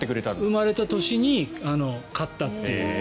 生まれた年に飼ったと。